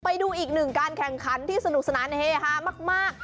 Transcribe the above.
ไปดูอีกหนึ่งการแข่งขันที่สนุกสนานเฮฮามาก